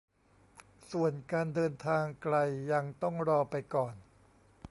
ส่วนการเดินทางไกลยังต้องรอไปก่อน